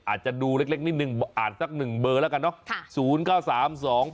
อาจจะดูเล็กนิดนึงอ่านสัก๑เบอร์แล้วกันเนอะ